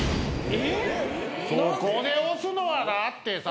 そこで押すのはだってさ。